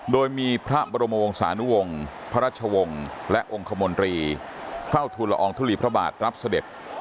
โดยมีพระบรมวงศานู่งพระรัชวงศ์และองค์ขมรีเฝ้าธูลอองธุลีปรบาทรับสะเด็จ